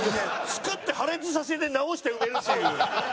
作って破裂させて直して埋めるっていう。